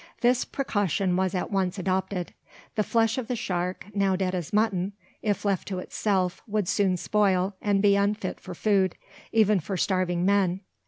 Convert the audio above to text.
This precaution was at once adopted. The flesh of the shark now dead as mutton if left to itself, would soon spoil, and be unfit for food, even for starving men.